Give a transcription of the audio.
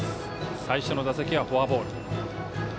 最初の打席はフォアボール。